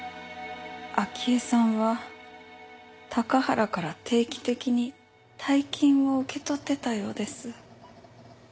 明江さんは高原から定期的に大金を受け取ってたようです。